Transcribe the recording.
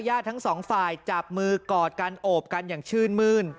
ทั้งสองฝ่ายจับมือกอดกันโอบกันอย่างชื่นมื้น